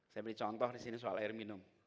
saya beri contoh disini soal air minum